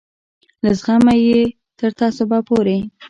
له زغمه یې تر تعصبه پورې.